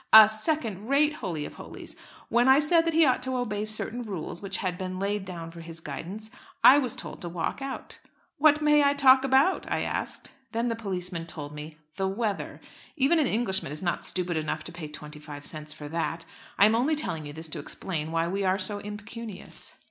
"A second rate holy of holies. When I said that he ought to obey certain rules which had been laid down for his guidance, I was told to walk out. 'What may I talk about?' I asked. Then the policeman told me 'the weather.' Even an Englishman is not stupid enough to pay twenty five cents for that. I am only telling you this to explain why we are so impecunious."